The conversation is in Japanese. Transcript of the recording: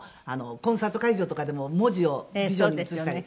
コンサート会場とかでも文字をビジョンに映したり。